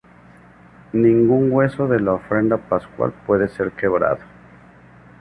Ningún hueso de la ofrenda pascual puede ser quebrado.